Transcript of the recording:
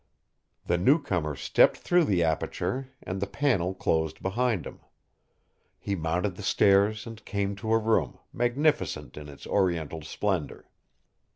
The new comer stepped through the aperture and the panel closed behind him. He mounted the stairs and came to a room, magnificent in its Oriental splendor.